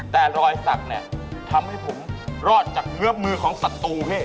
แต่รอยศักดิ์นี่ทำให้ผมรอดจากเงือบมือของสัตว์ตูพี่